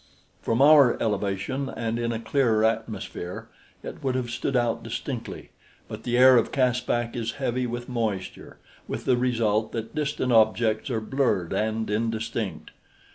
From our elevation, and in a clearer atmosphere, it would have stood out distinctly; but the air of Caspak is heavy with moisture, with the result that distant objects are blurred and indistinct.